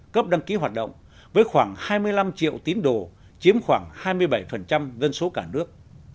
cấp đăng ký hoạt động với khoảng hai mươi năm triệu tín đồ chiếm khoảng hai mươi bảy dân số cả nước